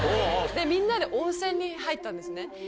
みんなで温泉に入ったんですね。